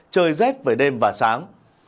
trời rét với đêm và sáng